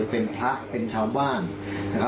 เป็นพระเป็นชาวน์ว่าง